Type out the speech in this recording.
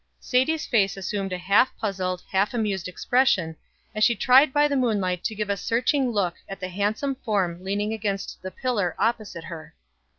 Sadie's face assumed a half puzzled, half amused expression, as she tried by the moonlight to give a searching look at the handsome form leaning against the pillar opposite her.